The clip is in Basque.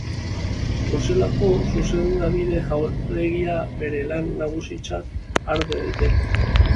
Bruselako Zuzenbide Jauregia bere lan nagusitzat har daiteke.